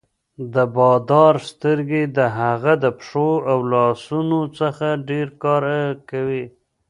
د بادار سترګې د هغه د پښو او لاسونو څخه ډېر کار کوي.